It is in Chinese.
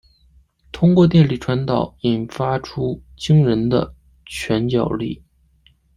透过电力传导引发出惊人的拳脚力。